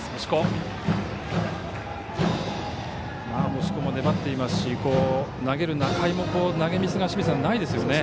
星子も粘っていますし投げる仲井も投げミスがないですよね。